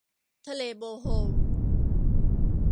ทะเลโบโฮล